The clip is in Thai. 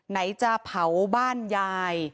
ไหนจะเผาบ้านยาย